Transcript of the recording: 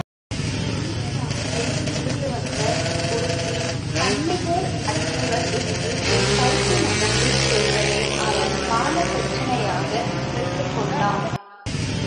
அந்நிய நாட்டில் இருந்துவந்த ஒருத்தி தன்னிகர் அற்றவள் என்று தருக்கி நடந்து செல்வதை அவன் மானப் பிரச்சனையாக எடுத்துக்கொண்டான்.